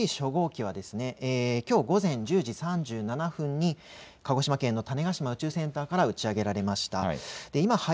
Ｈ３初号機はきょう午前１０時３７分に鹿児島県の種子島宇宙センターから打ち上げられました。